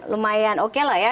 lumayan oke lah ya